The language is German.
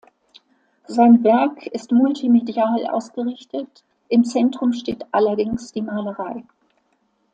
Sein Werk ist multimedial ausgerichtet, im Zentrum steht allerdings die Malerei.